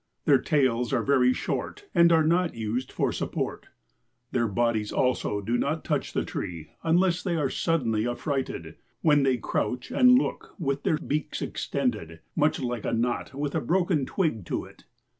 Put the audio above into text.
Their tails are very short and are not used for support. Their bodies also do not touch the tree "unless they are suddenly affrighted, when they crouch and look, with their beaks extended, much like a knot with a broken twig to it."